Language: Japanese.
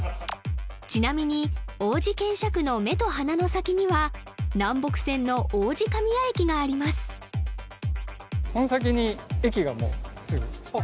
ちなみに王子検車区の目と鼻の先には南北線の王子神谷駅がありますあっ